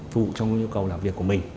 phụ trong nhu cầu làm việc của mình